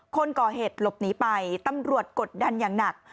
คนก่อเหตุหลบหนีไปตำรวจกดดันอย่างหนัก